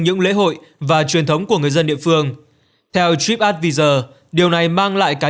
những lễ hội và truyền thống của người dân địa phương theo tripadvisor điều này mang lại cái